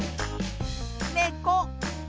ねこ。